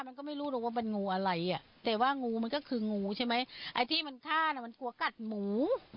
มันก็ไม่รู้หรอกว่ามันงูอะไรอ่ะแต่ว่างูมันก็คืองูใช่ไหมไอ้ที่มันฆ่าน่ะมันกลัวกัดหมู